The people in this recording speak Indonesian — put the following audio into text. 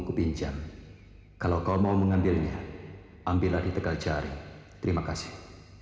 bunga kupinjam kalau kau mau mengambilnya ambillah di tegak jari terima kasih